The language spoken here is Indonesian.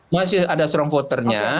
masih ada strong votersnya